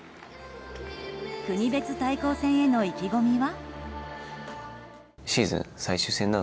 国別対抗戦への意気込みは？